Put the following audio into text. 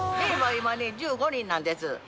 今ね、１５人なんです。